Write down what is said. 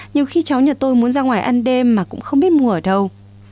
nhiều khi cháu nhà tôi muốn ra ngoài ăn đêm mà cũng không biết mua ở đâu